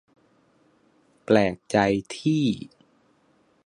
แปลกใจที่